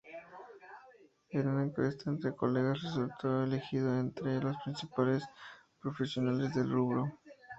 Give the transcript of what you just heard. En una encuesta entre colegas resultó elegido entre los principales profesionales del rubro.